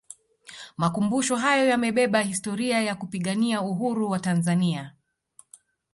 makumbusho hayo yamebeba historia ya kupigania Uhuru wa tanzania